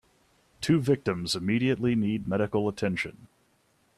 Two victims immediately need medical attention.